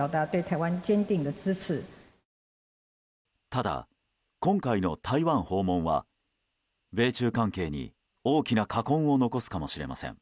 ただ、今回の台湾訪問は米中関係に大きな禍根を残すかもしれません。